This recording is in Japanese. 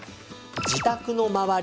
自宅の周り